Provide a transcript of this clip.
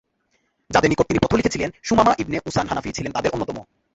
যাদের নিকট তিনি পত্র লিখেছিলেন সুমামা ইবনে উসান হানাফী ছিলেন তাদের অন্যতম।